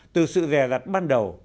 từ sự rè rặt ban đầu